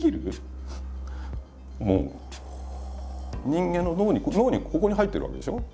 人間の脳にここに入ってるわけでしょう？